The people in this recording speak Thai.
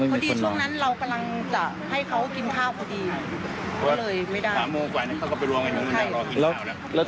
อื้อ